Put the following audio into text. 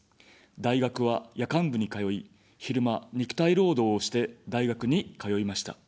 大学は夜間部に通い、昼間、肉体労働をして大学に通いました。